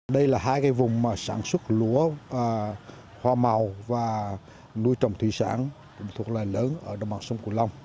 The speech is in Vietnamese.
đây là hai vùng sản xuất lúa hoa màu và nuôi trồng thủy sản thuộc loài lớn ở đồng bằng sông cửu long